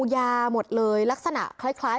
ยาหมดเลยลักษณะคล้าย